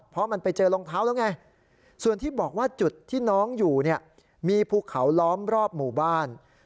เพราะมันไปเจอรองเท้าแล้วไงส่วนที่บอกว่าจุดที่น้องอยู่เนี่ยมีภูเขาล้อมรอบหมู่บ้าน